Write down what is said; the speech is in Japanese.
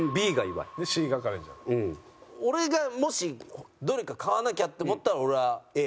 俺がもしどれか買わなきゃって思ったら俺はＡ。